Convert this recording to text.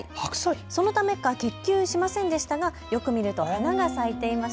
そのためか結球しませんでしたがよく見ると花が咲いていました。